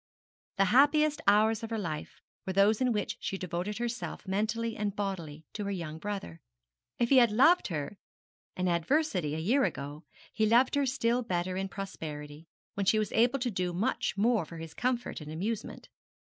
The happiest hours of her life were those in which she devoted herself mentally and bodily to her young brother. If he had loved her in adversity a year ago, he loved her still better in prosperity, when she was able to do so much more for his comfort and amusement.